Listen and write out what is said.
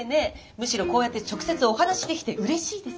むしろこうやって直接お話しできてうれしいです。